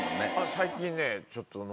最近ねちょっと飲む。